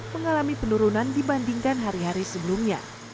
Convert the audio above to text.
mengalami penurunan dibandingkan hari hari sebelumnya